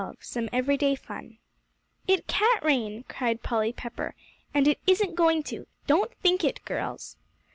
XII SOME EVERY DAY FUN "It can't rain," cried Polly Pepper, "and it isn't going to. Don't think it, girls."